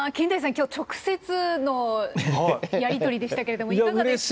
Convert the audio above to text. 今日直接のやり取りでしたけれどもいかがでした？